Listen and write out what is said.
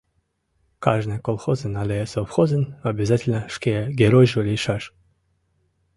Кажне колхозын але совхозын обязательно шке Геройжо лийшаш!